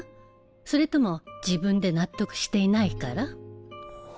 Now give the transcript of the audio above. それとも自分で納得していないから？